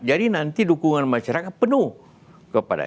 jadi nanti dukungan masyarakat penuh kepada